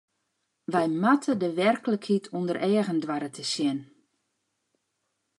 Wy moatte de werklikheid ûnder eagen doare te sjen.